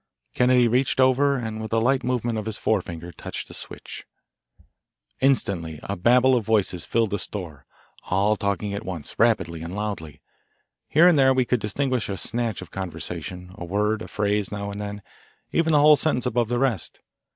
Kennedy reached over and with a light movement of his forefinger touched a switch. Instantly a babel of voices filled the store, all talking at once, rapidly and loudly. Here and there we could distinguish a snatch of conversation, a word, a phrase, now and then even a whole sentence above the rest.